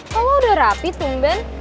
kalo udah rapi tuh mben